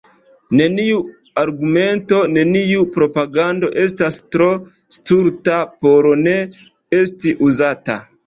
Neniu argumento, neniu propagando estas tro stulta por ne esti uzata.